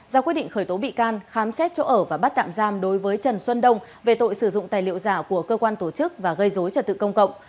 ra quyết định khởi tố bị can khám xét chỗ ở và bắt tạm giam đối với trần xuân đông về tội sử dụng tài liệu giả của cơ quan tổ chức và gây dối trật tự công cộng